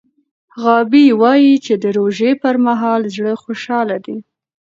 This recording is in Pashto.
غابي وايي چې د روژې پر مهال زړه خوشحاله دی.